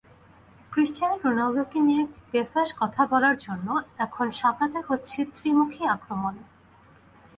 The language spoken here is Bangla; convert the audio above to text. ক্রিস্টিয়ানো রোনালদোকে নিয়ে বেফাঁস কথা বলার জন্য এখন সামলাতে হচ্ছে ত্রিমুখী আক্রমণ।